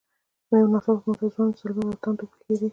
یو نا څاپه ماته ځوان زلمي او تاند وبرېښدې.